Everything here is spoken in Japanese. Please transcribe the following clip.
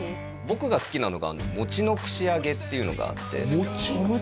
僕が好きなのがもちの串揚げっていうのがあって餅？